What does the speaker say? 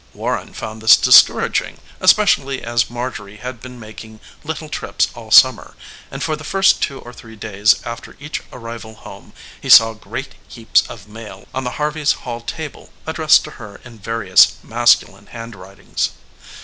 Warren found this discouraging, especially as Marjorie had been making little trips all summer, and for the first two or three days after each arrival home he saw great heaps of mail on the Harveys' hall table addressed to her in various masculine handwritings.